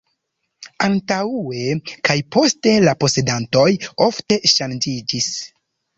Antaŭe kaj poste la posedantoj ofte ŝanĝiĝis.